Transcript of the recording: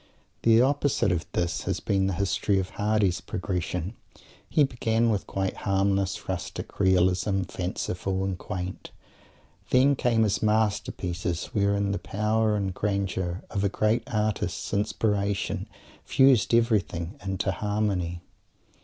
The opposite of this has been the history of Mr. Hardy's progression. He began with quite harmless rustic realism, fanciful and quaint. Then came his masterpieces wherein the power and grandeur of a great artist's inspiration fused everything into harmony.